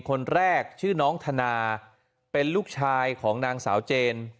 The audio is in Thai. คนแรกชื่อน้องธนาเป็นลูกชายของนางสาวเจน